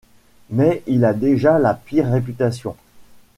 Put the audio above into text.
Mais il a déjà la pire réputation.